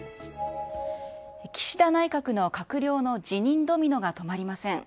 岸田内閣の閣僚の辞任ドミノが止まりません。